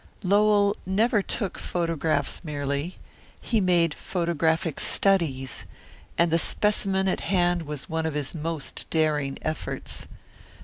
Lowell never took photographs merely. He made photographic studies, and the specimen at hand was one of his most daring efforts.